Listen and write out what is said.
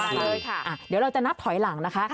เดี๋ยวเราจะนับถอยหลังนะคะ